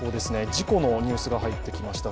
事故のニュースが入ってきました。